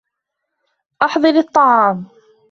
أحضر الطعام.